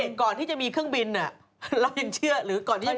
ก่อนที่จะมีเครื่องบินเรายังเชื่อหรือก่อนที่จะ